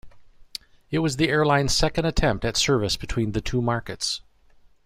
It was the airline's second attempt at service between the two markets.